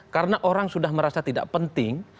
karena orang sudah merasa tidak penting